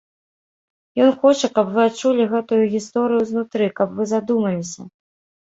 Ён хоча, каб вы адчулі гэтую гісторыю знутры, каб вы задумаліся.